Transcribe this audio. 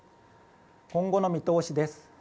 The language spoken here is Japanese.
今後の見通しです。